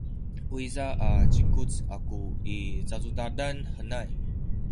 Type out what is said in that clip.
uyza a zikuc aku i cacudadan henay.